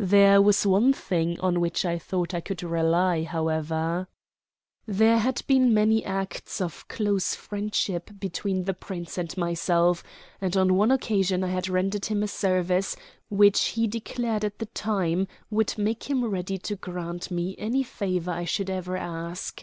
There was one thing on which I thought I could rely, however. There had been many acts of close friendship between the Prince and myself, and on one occasion I had rendered him a service which he declared at the time would make him ready to grant me any favor I should ever ask.